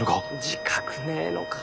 自覚ねえのか。